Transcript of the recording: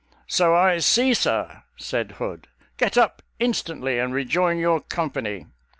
" So I see, sir," said Hood; "get up instantly and rejoin your com pany."